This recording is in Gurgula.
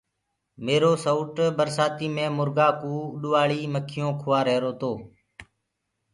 ميرو سئوُٽ برسآتي مي مرگآ ڪوُ اُڏوآݪيٚ مکيونٚ کوآ رهيرو تو۔